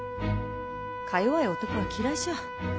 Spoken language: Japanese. かよわい男は嫌いじゃ。